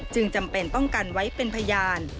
จำเป็นต้องกันไว้เป็นพยาน